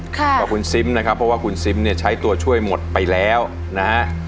ขอบคุณซิมนะครับเพราะว่าคุณซิมเนี่ยใช้ตัวช่วยหมดไปแล้วนะฮะ